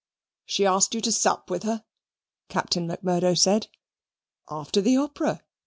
'" "She asked you to sup with her?" Captain Macmurdo said. "After the opera.